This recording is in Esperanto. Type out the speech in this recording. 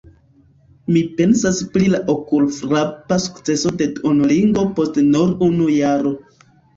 Mi pensas pri la okulfrapa sukceso de Duolingo post nur unu jaro.